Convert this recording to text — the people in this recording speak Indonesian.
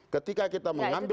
ketika kita mengambil